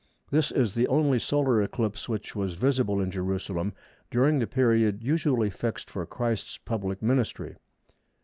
This is the only solar eclipse which was visible at Jerusalem during the period usually fixed for Christ's public ministry.